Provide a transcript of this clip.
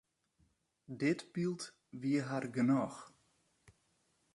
Dit byld wie har genôch.